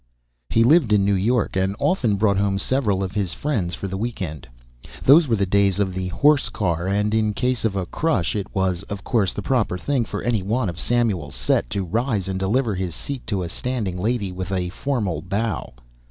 He lived in New York and often brought home several of his friends for the week end. Those were the days of the horse car and in case of a crush it was, of course, the proper thing for any one of Samuel's set to rise and deliver his seat to a standing lady with a formal bow.